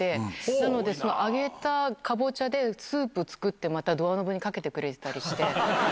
なので、そのあげたかぼちゃでスープ作って、またドアノブに掛けてくれてたりして。